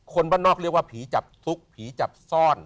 คนบ้านนอกเรียกว่าผีจับซุกผีจับซ่อน